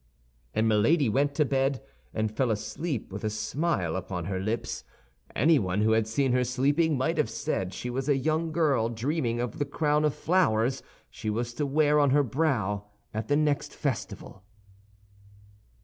And Milady went to bed and fell asleep with a smile upon her lips. Anyone who had seen her sleeping might have said she was a young girl dreaming of the crown of flowers she was to wear on her brow at the next festival.